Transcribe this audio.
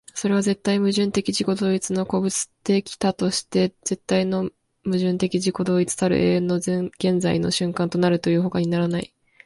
それは絶対矛盾的自己同一の個物的多として絶対の矛盾的自己同一たる永遠の現在の瞬間となるというにほかならない。